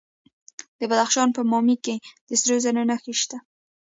د بدخشان په مایمي کې د سرو زرو نښې شته.